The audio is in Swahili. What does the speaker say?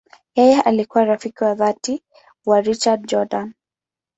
Yeye alikuwa rafiki wa dhati wa Richard Jordan.